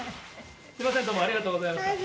すみません、どうもありがとうごすみません。